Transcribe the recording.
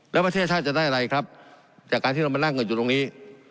แล้วประเทศชาติจะได้อะไรครับจากการที่เรามานั่งเงินอยู่ตรงนี้